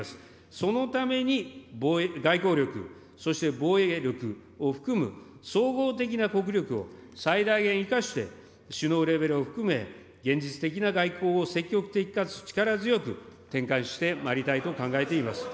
そのために外交力、そして防衛力を含む総合的な国力を最大限生かして、首脳レベルを含め、現実的な外交を積極的かつ力強く展開してまいりたいと考えております。